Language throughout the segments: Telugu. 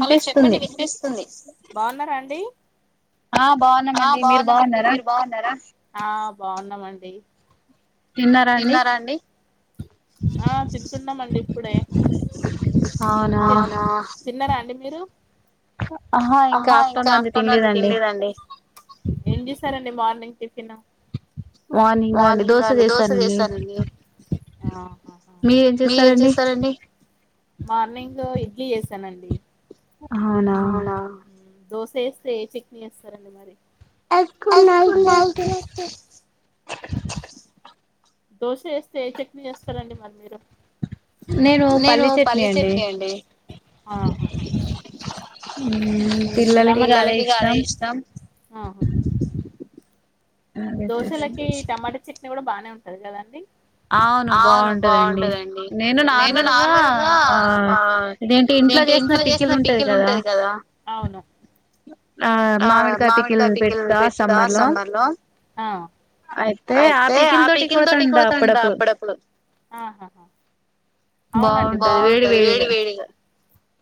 హలో చెప్పండి విన్పిస్తుంది బాగున్నరా అండి ఆ బాగున్నామండి మీరు బాగున్నరా? తిన్నరా అండి ఆ తింటున్నమండి ఇప్పుడే అవునా అహ ఇంకా ఆఫ్టర్నూన్ది తిన్లేదండి. మార్నింగా అండి దోశల్ చేసానండి. మీరేం చేసారండి? మార్నింగ్ ఇడ్లీ చేసానండి. అవునా దోశ ఏస్తే ఏ చట్నీ చేస్తారండి మరి ఎక్కు నైట్ అయితే దోశ ఏస్తే ఏ చట్నీ చేస్తారండి మరి మీరు నేను పల్లీ చట్నీ అండి ఆ హా [unintelligible] ఇగ అదే ఇష్టం దోశలకీ టమాటా చట్నీ కూడా బానే ఉంటది కదండి. అవును బాగుంటదండి నేను నార్మల్గా ఆ ఏంటి ఇంట్లో చేసిన పికిల్ ఉంటది కదా ఆ మామిడికాయ పికిల్ పెట్టా సమ్మర్లో అయితే ఆ పకిిల్ తోటి కూడ తింటా అప్పుడప్పుడు అప్పుడప్పుడు అవునండి బాగుంటది వేడి వేడిగా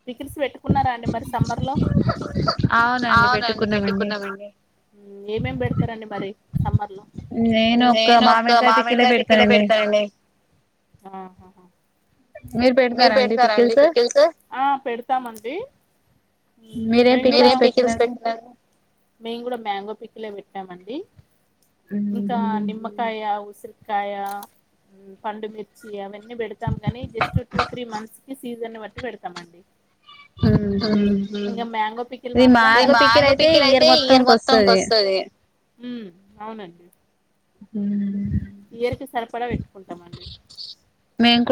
పికిల్స్ పెట్టుకున్నరా అండి మరి సమ్మర్లో ఏమేమి పెడతారండి మరి సమ్మర్ లో నేను ఒక మామిడికాయ పికిలే పెడుతానండి మీరు పెడుతారా అండి పికిల్స్ ఆ పెడుతామండి మీరు ఏ పికిల్స్ పెడుతారు మీము కూడా మ్యాంగో పికిలే టమండి ఇంకా నిమ్మకాయ ఉసిరి కాయ పండు మిర్చి అవే టూ త్రీ మంత్స్ కి సీజన్ని బట్టి పెడుతామండి మ్ హు ఇంగ మ్యాంగో పికిల్ మాత్రం మ్యాంగో పికిల్ అయితే ఇయర్ మొత్తం కోస్తది ద్ మ్ అవునండి ఇయర్ కి సరిపడా పెట్టుకుంటామండి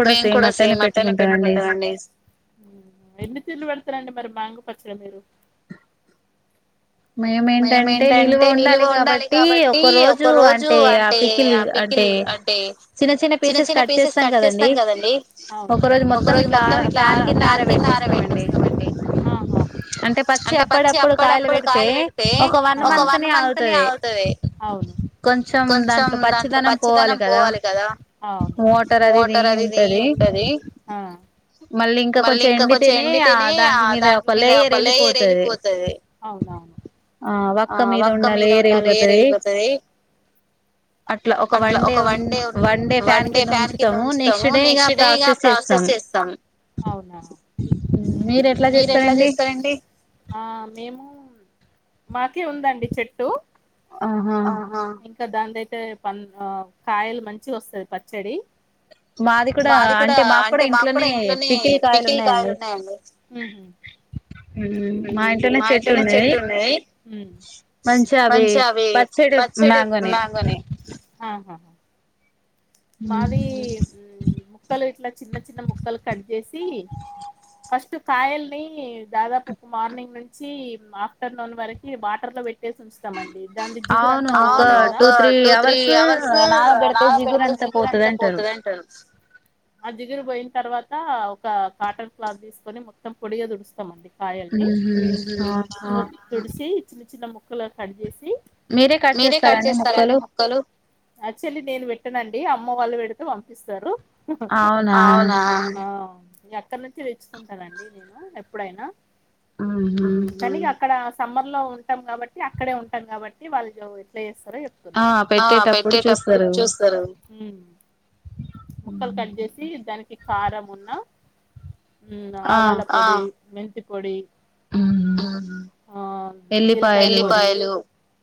మేం కూడా సేమ్ అట్నే పెట్టుకుంటామండి టరండి మరి మ్యాంగో పచ్చడ మీరు మీమేంటంటే నిలువ ఉండాలి కాబట్టి ఒక రోజు అం టే ఆ పికిల్ అంటే చిన్న చిన్న పీసెస్ కట్ చేస్తాం కదండి ఒక రోజు మొత్తం ఇట్లా ప్యాన్ కింద ఆరపెట్టేస్తామండి ఆహా అంటే పచ్చిగ అప్పుడిదప్పుడు తె ఒక వన్ మంత్ నే అగుతది అవును కొంచెం దాంట్లో పచ్చిదనం పోవాలి కదా మోటార్ అది ఇది ఎం ఉంటది ఆ మళ్ళీ ఇంకా కొంచెం ఎండితేనే ఆ దాంట్ మీద ఒక లేయర్ వెళ్ళిపోతది ఆ వక్క మీద ఉన్న ఏర్ ఎల్లిపోతది అట్లా ఒక వన్ డే ఉన్ వన్ డే ఫ్యాన్ కింద ఉంచుతాము నెక్స్ట్ డే ఇగ ప్రాసెస్ చేస్తాము అవునా మీరు ఎట్లా చేస్తారండి ఆ మేము మాకే ఉందండి చెట్టు అహ ఇంకా దానిదైతే పన్ ఆ కాయలు మంచిగోస్తది పచ్చడి [inaudible] మాది కూడా అంటే మాకు కూడా ఇంట్లోనే పీకిల్ కాయలున్నాయండి [inaudible] మ్ మా ఇంట్లోనే చెట్టు ఉన్నయ్ మంచిగ అవి పచ్చడక్ చ్చడి మ్యాంగోనే అహ మాది ముక్కలు ఇట్లా చిన్న చిన్న ముక్కలు కట్ చేసి ఫస్ట్ కాయల్ని దాదాపు ఒక మార్నింగ్ నుంచి ఆఫ్టర్నూన్ వరకు వాటర్ లో పెట్ చేసి ఉంచుతమండి దాన్ది జిగురంతా అవును ఒక టూ త్రీ అవర్స్ నాన పెడ్ దిగురంత పోతది అంటారు ఆ జిగురు పోయ్ తర్వాత ఒక కాటన్ క్లాత్ తీసుకొని మొత్తం పొడిగ తుడుస్తామండి కాయల్ని తుడిసి చిన్న చిన్న ముక్కలుగ కట్ చేేసి మీరే కట్ చేస్తారండి ముక్కలు అక్చువల్లీ నేను పెట్టనండి అమ్మ వాళ్ళు పెడితే పంపిస్తారు అవునా ను ఇగ అక్కడి నుంచి తెచ్చుకుంటానండి నేను ఎప్పుడైనా మ్ హు అక్కడ సమ్మర్ లో ఉంటాం కాబట్టి అక్కడే ఉంటాం కాబట్టి వాళ్ళు ఇట్ల చెస్ స్తారో చెప్తున్న ఆ పెట్టేటప్పుడు చూస్ ఉమ్ ముక్కలు కట్ చేసి దాన్. దానికి కారం ఉన్నా ఉమ్ ఆవాల పొడి మెంతి పొడి. ఉమ్ ఆహ్ జీలకర్ర పొడి ఎల్లిపాయలు.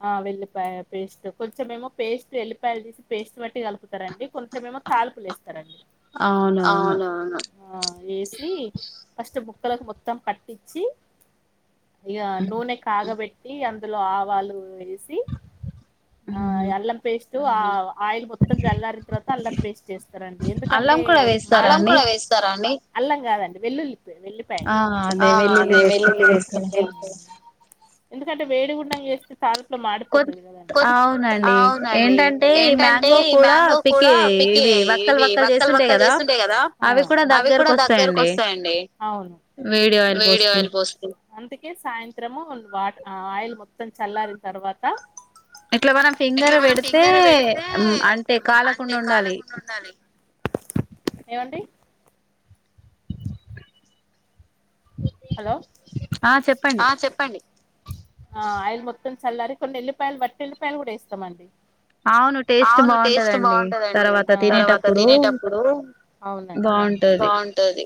ఆహ్ వెల్లిపాయ పేస్ట్ కొంచెంమేమో పేస్ట్ వెల్లిపాయలు తీసి పేస్ట్ బట్టి. తతారండి కొంచెం ఏమో తాలింపులు వేస్తారండి. ఆహ్ అవునవును ఆహ్ వేసి. ఫస్ట్ ముక్కలకు మొత్తం పట్టించి ఇగ నూనె కాగబెట్టి. ఈ అందులో ఆవాలు ఇది. ఉమ్. ఆహ్ ఆయిల్ మొ. మొత్తం జల్లారిన్ తర్వాత అల్లం పేస్ట్ వేస్తారండి ఎందుకంటే అల్లం కూడా వేస్తారండి. అల్లం కాదండి వెల్లుల్లి వెల్లిపాయలు ఆహ్ అదే వెల్లుల్లి వేస్త. ఎందుకంటే వేడిగుండంగా వేస్తే తలిం. ఇట్ లో మాడిపోతది కదాండి కొంత అవునండి ఏంటంటే. అంటే ఈ మ్యాంగో కూడా పికిల్ ఆహ్ ఇవి వక్కలు వక్కలు చేస్తుంటాయి కదా ఆహ్ అవి కూడా దగ్గేర. దగ్గరికి వస్తాయండి అవును. వేడి ఆయిల్ పోసుకుం అందుకే సాయంత్రము వాట్ ఆహ్ ఆయిల్ మొత్తం. మొత్తం చల్లారిన తర్వాత. ఇట్లా మనం ఫింగర్ పెడితే. ఉమ్ అంటే కాలకుండా ఉండాలి. హలో ఆహ్ చెప్పండి ఆహ్ ఆయిల్. మొత్తం చల్లరి కొన్ని ఏల్లిపాయలు ఒట్టెల్లిపాయలు కూడా వేస్తామండి. అవును టేస్ట్ బాగుంటదండి ఆహ్ తర్వాత తినేటప్పుడు అవునండి. ఇంకా బాగుంటది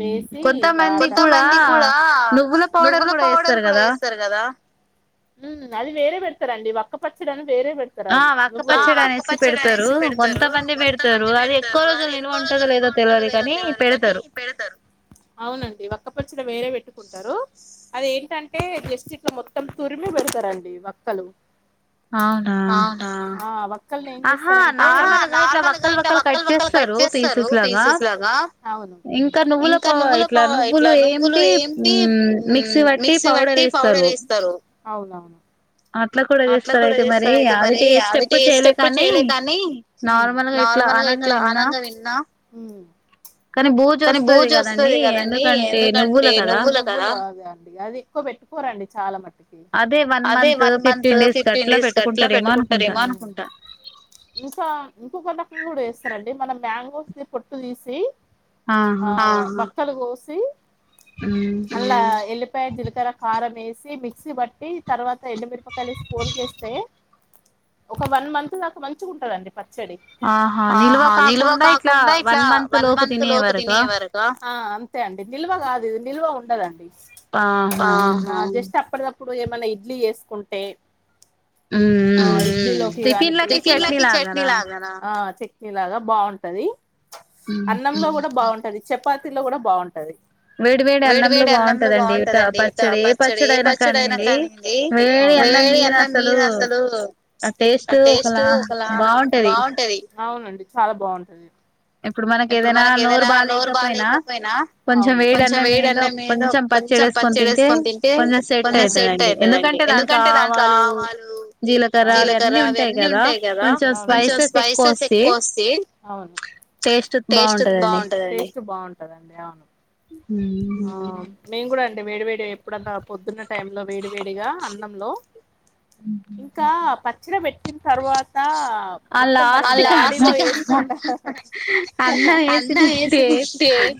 వేసి. కొంతమంది కూడా నువ్వుల పౌడర్ కూడా వేస్తారు కదా. ఉమ్ అది వేరే పెడతారండి ఒక్క పచ్చడాని. వేరే పెడతారు అది ఆహ్ వక్క పచ్చడి అనేసి పెడతారు కొంత మంది పెడతారు అది ఎక్కువ. ఉంటదో లేదో తెలువదు కాని పెడతారు. అవునండి ఒక్కపచ్చడి వేరే పెట్టుకుంటారు. అదేంటంటే లిస్ట్ ఇట్లా మొత్తం తురిమి పెడతారండి వక్కలు. అవునా ఆహ్ వక్కలని ఏం చేస్తారంటే ఆహ్ నార్మల్గా ఇట్లా వక్కలు వక్కలు కట్టి. పెట్టేస్తారు పీసెస్ లాగా అవును ఇంకా నువ్వులు. ఇట్లా నువ్వులు ఏమింటి ఉమ్ మిక్సీ పట్టి పౌడర్ వేస్తారు. అవునా. అట్లా కూడా చేస్తారు అయితే మరి అది చేస్తేప్పుడు చేయలే కానీ ఉహూ నార్మల్గా. అనంగ ఇట్లా అనంగ తిన్నా ఉమ్. కానీ బుజు వస్తుది కదండి ఎందుకంటే నువ్వుల కదా. పెట్టుకోరండి చాలా మట్టుకి అదే వన్ మంత్. ఎప్పుడో ఫిఫ్టీన్ డేస్ కట్లా పెట్టుకుంటారేమో అనుకుంటా. ఇంకా ఇంకో [unintelligible] వేస్తారండి. మనం మ్యాంగోస్ ది పొట్టు తీసి ఆహ్ మక్కలు కోసి. అలా ఎల్లిపాయ జీలకర్ర కారం వేసి మిక్సీ పట్టి తర్వాత ఎఃడుమిరపకాయ ఒక వన్ మంత్ దాక మంచిగుంటదండి పచ్. పచ్చడి ఆహా నిల్వ కాకుండా ఇట్లా వన్ మంత్ లోపు తినే వరక. ఆ అంతే అండి నిల్వ గాదు ఇది నిల్వ ఉండదండి జస్ట్ ఆ అప్పుటికప్పుడు ఏమన్న ఇడ్లీ చేసుకుంటే టిఫిన్ లోకి చేట్నీ లాగనా ఇలాగ బాగుంటది అన్నంలో కూడ బాగుంటది చపాథీలో కూడ బాగుంటది వేడి వేడి అన్నంలో బాగుంటదండి పచ్చడి ఏ పచ్చడి అయినా కనిండి వేడి అన్నం మీద అసలు ఆ టేస్ట్ ఒకలా బాగుంటది అవునండి చాల బాగుంటది ఇప్పుడు మనకి ఏదైన నోరు బాగాలేకపోయిన కొంచెం వేడి అన్నం మీద కొంచెం పచ్చిడేసుకొని తింటే కొంచెం సెట్ అయితాదండీ ఎందుకంటే దాంట్లో ఆవాలు జీలకర్ర అవి అన్నీ ఉంటాయి కదా కొంచెం స్పైసెస్ ఎక్కువ వస్తాయి టేస్ట్ బాగుంటతది ఆ నేన్ గూడ అంటే వేడి వేడి ఎప్పుడన్నా పొద్దున్న టైమ్ లో వేడి వేడిగా అన్నంలో అ ఇంకా పచ్చడి పెట్టిన తర్వాత మొత్తం మన జాడీలో ఏసీ అన్నం వేసి తింటే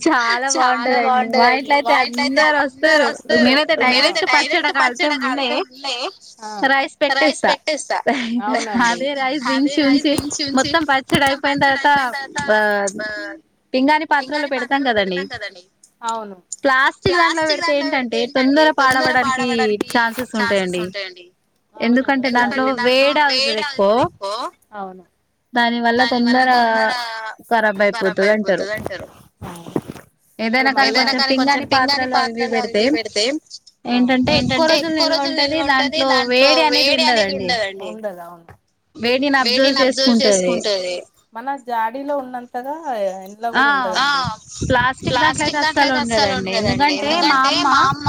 చాల బాగుంటదండి మా ఇంట్లో అయితే అందరు వస్తరు నేనైతే డైరెక్ట్ పచ్చడి కలిపే ముందే రైస్ పెట్టేస్త అదే రైస్ దించి ఉంచి మొత్తం పచ్చడి అయి పోయిన తర్వాత ప్చ్ ఆ పింగాణ పాత్రలో పెడతాం కదండీ అవును ప్లాస్టిక్ దాంట్లో పెడితే ఏంటంటే తొందరగా పాడవడానికి ఛాన్సెస్ ఉంటాయండి ఎందుకంటే దాంట్లో వేడి అవుతుంది ఎక్కువ దాని వల్ల తొందర ఖరాబ్ అయిపోతది అంటరు ఏదైన కానీ కొంచెం పింగాని పాత్రలు అవి పెడితే ఏంటంటే ఎక్కువ నిల్వ ఉంటది దాన్ దాంట్లో వేడి అనేది ఉండదండి వేడిని అబ్జర్వ్ చేసుకుంటది మన జాడీలో ఉన్నంతగా ఆ ప్లాస్టిక్ దాంట్లో అయితే అస్సలు ఉండదండి ఎందుకంటే మా అమ్మ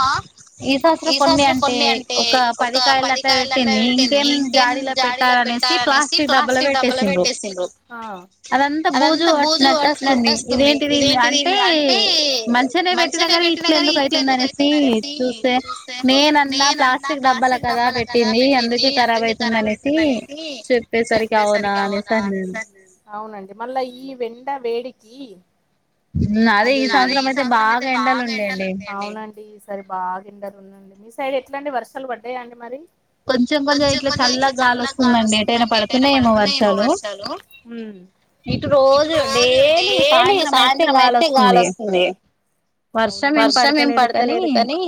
ఈ సంవత్సరం కొన్ని అంటే ఒక పదికాయలక్క పెట్టింది ఇంకేం జాడీలో పెట్ పెట్టాలీ అనేసి ప్లాస్టిక్ డబ్బాల్లో పెట్టేసిండ్రూ అదంత బూజు పట్ పట్టేస్తుంది ఇదేంటిది అంటే మంచినే పెట్టినా కానీ ఇట్ల ఎందుకు అవుతుంది అనేసి చూస్తే నేనన్నా ప్లాస్టిక్ డబ్బాల కదా పెట్టింది అందుక ఖరాబ్ అయితుంది అనేసి చెప్పేసరికి ఆవునా అనేస్ అన్నను అవునండి మళ్ళా ఈ వెండ వేడికి అదే ఈ సంవత్సరం అయితే బాగ ఎండలుండాయండి ఇ సారీ ఎట్లాండి వర్షాలు పడ్డాయా అండి మరి కొంచెం కొంచెం ఇట్ల చల్లగ గాల్ వస్తుందండి ఎటైన పడుతున్నాయేమో వర్షాలు ఇటు రోజు డైలీ సాయంత్రం అయితే గాలి వస్తుంది వర్షం ఏం పడతలేదు కనీ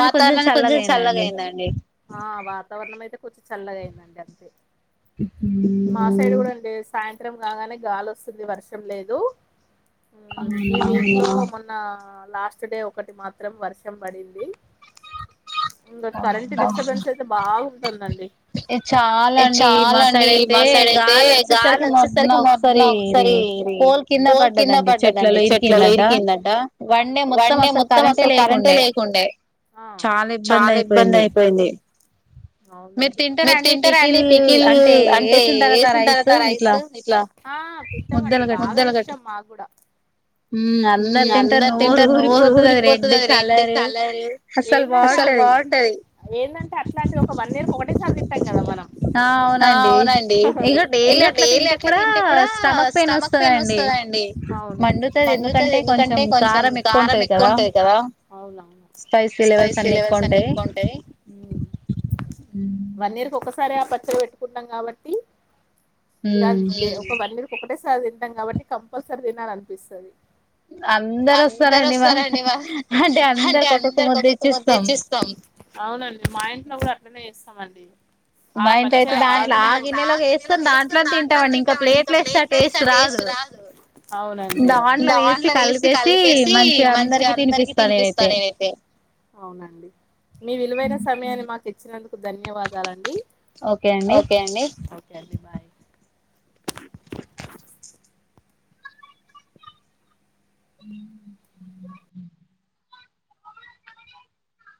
వాతావరణాం కొంచెం చల్లగ అయిందండి ఆ వాతావరణం అయితే కొంచెం చల్లగ అయిందండి మా సైడ్ కూడా లెస్ సాయంత్రం కాగానే గాలి వస్తుంది వర్షం లేదు ఈ వీక్ లో నా లాస్ట్ డే ఒకటి మాత్రం వర్షం పడింది ఇంకా కరెంట్ డిస్టర్బెన్స్ అయితే బాగుంటుందాండి. చాలా అండి మా సైడు అయితే గాలి వచ్చేసరికి మొద్న ఒకసారి. పోల్ కింద పడ్డదండి చెట్లలో ఇరికిందట. వన్ డే మొత్తం అసలు కరెంటే లేకుండే. చాలా ఇబ్బంది అయిపోయింది. మీరు తింటారాండి పి అండి పకిల్ అంటే వేసిన తర్వాత రైస్ ఇట్లా ఆహ్ తింటామండి బాగా ముద్దలుగా. వర్షం మాగుడా. ఉమ్ అందరు తింటారు నోరు ఊరిపోతది రెడ్ కలర్ ఏందంట. ఆహ్ బాగుంటది ఏందంటా అట్లాంటిది ఒక వన్ ఇయర్ కి ఒకటే సారి తిట్టాం కదా మనం. ఆహ్ అవునండి ఇంకా డైలీ అట్లా తింటే కూడా స్టామక్ పెయిన్ వస్తుందండి. అవును మండుతది ఎందుకంటే కొంచెం కారం ఎక్కువ ఉంటుంది కదా అవునవును. స్పైసీ లెవెల్స్ అన్ని ఎక్కువ ఉంటాయి ఉమ్మ్. ఉమ్. వన్ ఇయర్ కీ ఒకసారి ఆ పచ్చడులు పెట్టుకుంటం కాబట్టి. ఇక అది ఒక వన్ ఇయర్ ఒకటేసారి తింటాం కాబట్టి కంపల్సరీ తినాలనిపిస్తుంది. అందరు వస్తారండి మా అంటే అందరు ఒక్కోక్క ముద్ధ ఇచ్చేస్తాం అవునండి మా ఇంట్లో కూడా అట్లనే చేస్తామండి. ఆ గిన్నెలో వేసుకుని దాంట్లోని తింటామండి ఇంకా ప్లేట్లు వేస్తే ఆ టేస్ట్. కాదు అవునండీ అవును దాంట్లో వేసి కలిపేసి మంచిగ అందరికి తినిపిస్తారు. రేపే అవునండి మీ విలువైన సమయాన్ని మాకు కిచ్. ఇచ్చినందుకు ధన్యవాదాలండి ఓకే అండి ఓకే అండి బాయ్. ఉమ్ ఉమ్